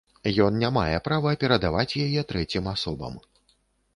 Ён не мае права перадаваць яе трэцім асобам.